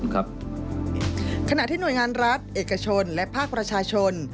ขณะที่หน่วยงานรัฐเอกชนและภาคประชาชน